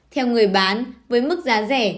theo người bán với mức giá rẻ